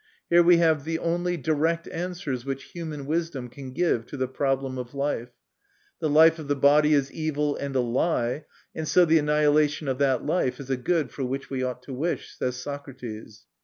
Here we have the only direct answers which human wisdom can give to the problem of life. "The life of the body is evil and a lie, and so the annihilation of that life is a good for which we ought to wish," says Socrates.